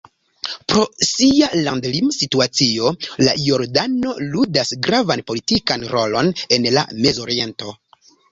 Pro sia landlima situacio, la Jordano ludas gravan politikan rolon en la Mezoriento.